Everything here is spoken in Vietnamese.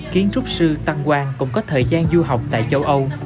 kiến trúc sư tăng quang cũng có thời gian du học tại châu âu